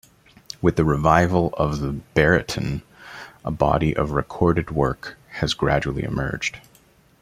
With the revival of the baryton, a body of recorded work has gradually emerged.